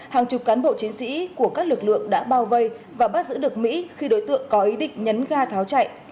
hàng chục cán bộ chiến sĩ của các lực lượng đã bao vây và bắt giữ được mỹ khi đối tượng có ý định nhấn ga tháo chạy